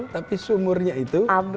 tapi sumurnya itu